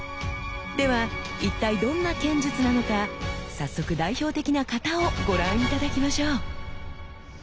では一体どんな剣術なのか早速代表的な「型」をご覧頂きましょう！